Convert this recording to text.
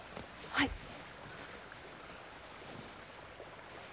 はい。